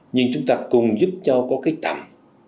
nhưng chúng ta cùng giúp nhau có cái tầm